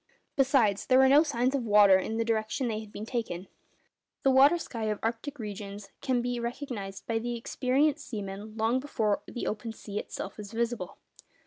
Besides, there were no signs of water in the direction they had been taking. The water sky of arctic regions can be recognised by the experienced seamen long before the open sea itself is visible.